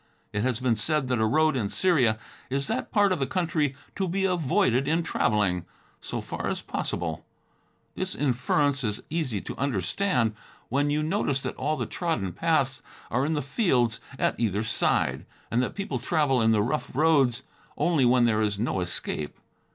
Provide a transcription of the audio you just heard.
It has been said that a road, in Syria, is that part of the country to be avoided in traveling, so far as possible. This inference is easy to understand when you notice that all the trodden paths are in the fields at either side, and that people travel in the rough roads, only when there is no escape.